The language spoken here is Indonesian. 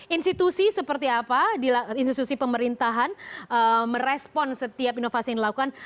institusi seperti apa di institusi pemerintahan merespon setiap inovasi yang dilakukan